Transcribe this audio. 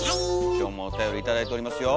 今日もおたより頂いておりますよ。